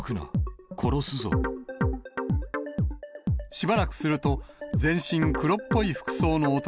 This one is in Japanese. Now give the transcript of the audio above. しばらくすると、全身黒っぽい服装の男